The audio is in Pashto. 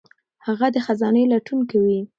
هغه د خزانې لټون کوي.